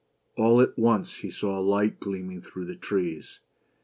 All at once he saw a light gleaming through the trees.